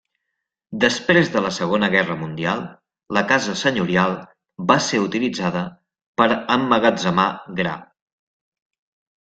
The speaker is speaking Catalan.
Després de la Segona Guerra Mundial, la casa senyorial va ser utilitzada per emmagatzemar gra.